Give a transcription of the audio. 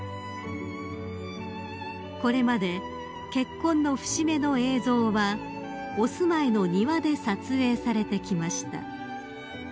［これまで結婚の節目の映像はお住まいの庭で撮影されてきました］